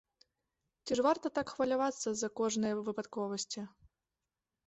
Ці ж варта так хвалявацца з-за кожнае выпадковасці?